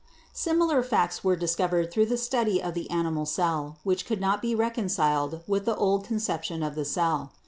Similar facts were discovered through the study of the animal cell, which could not be reconciled with the old conception of the cell.